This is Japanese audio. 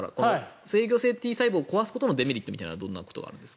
制御性Ｔ細胞を壊すことのデメリットはどんなことがあるんですか？